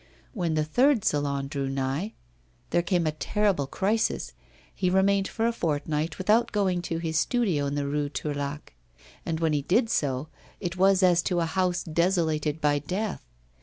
When the third Salon drew nigh, there came a terrible crisis; he remained for a fortnight without going to his studio in the Rue Tourlaque, and when he did so, it was as to a house desolated by death.